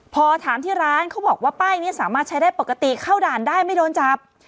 พอถามที่ร้านเขาบอกว่าป้ายนี้สามารถใช้ได้ปกติเข้าด่านได้ไม่โดนจับ